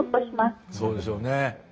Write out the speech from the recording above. そうでしょうね。